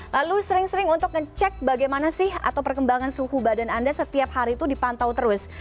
lalu sering sering untuk ngecek bagaimana sih atau perkembangan suhu badan anda setiap hari itu dipantau terus